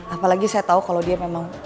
apalagi saya tahu kalau dia memang